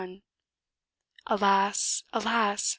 Alas! alas!